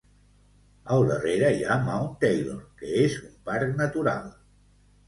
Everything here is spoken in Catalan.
Al darrere hi ha Mount Taylor, que és un parc natural.